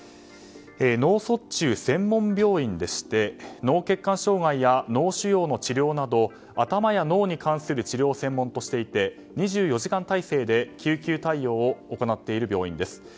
脳卒中専門病院でして脳血管障害や脳腫瘍の治療など頭や脳に関する治療を専門としていて２４時間体制で救急対応を行っている病院です。